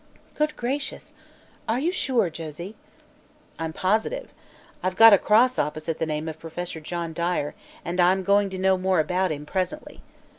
"Good gracious! Are you sure, Josie?" "I'm positive. I've got a cross opposite the name of Professor John Dyer, and I'm going to know more about him presently.